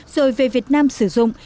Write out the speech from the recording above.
rồi về việt nam sử dụng